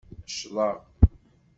Ccḍeɣ.